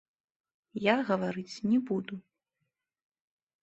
Я гаварыць не буду.